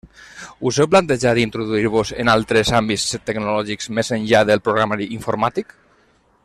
Us heu plantejat introduir-vos en altres àmbits tecnològics més enllà del programari informàtic?